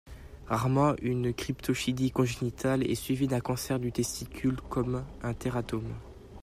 Rarement, une cryptorchidie congénitale est suivie d'un cancer du testicule comme un tératome.